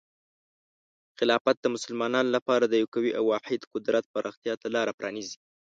خلافت د مسلمانانو لپاره د یو قوي واحد قدرت پراختیا ته لاره پرانیزي.